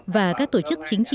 và các tổ chức chính trị